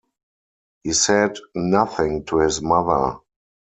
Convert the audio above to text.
He said nothing to his mother.